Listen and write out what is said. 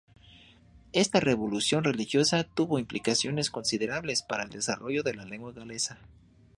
Esta revolución religiosa tuvo implicaciones considerables para el desarrollo de la lengua galesa.